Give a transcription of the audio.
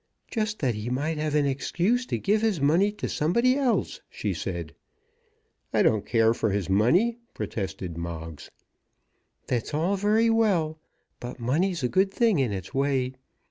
"Just that he might have an excuse to give his money to somebody else," she said. "I don't care for his money," protested Moggs. "That's all very well; but money's a good thing in its way.